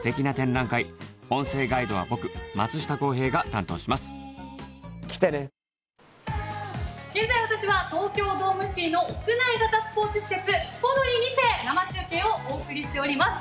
あそこまで行っていただければ現在、私は東京ドームシティの屋内型スポーツ施設スポドリ！にて生中継をお送りしております。